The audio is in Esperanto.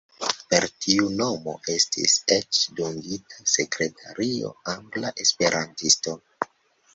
Per tiu mono estis eĉ dungita sekretario, angla esperantisto.